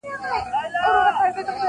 سړى پښې د خپلي کمبلي سره غځوي-